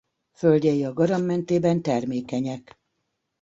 Földjei a Garam mentében termékenyek.